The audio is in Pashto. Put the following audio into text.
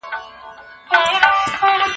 موږ د ټولنیز واقعیت نوې څېره لټوو.